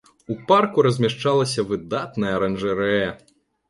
У парку размяшчалася выдатная аранжарэя.